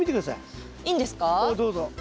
どうぞ。